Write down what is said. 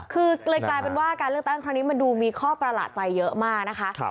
คือเลยกลายเป็นว่าการเลือกตั้งครั้งนี้มันดูมีข้อประหลาดใจเยอะมากนะคะ